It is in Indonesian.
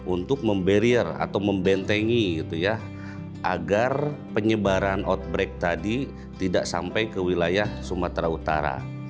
untuk memberier atau membentengi agar penyebaran outbreak tadi tidak sampai ke wilayah sumatera utara